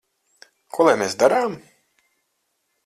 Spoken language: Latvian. Ko lai mēs darām?